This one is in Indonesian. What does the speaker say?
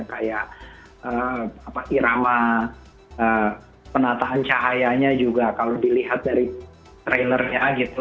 kayak irama penataan cahayanya juga kalau dilihat dari trainernya gitu